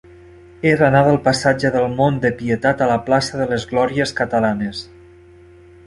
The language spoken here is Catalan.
He d'anar del passatge del Mont de Pietat a la plaça de les Glòries Catalanes.